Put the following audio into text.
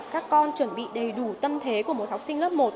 các con chuẩn bị đầy đủ tâm thế của một học sinh lớp một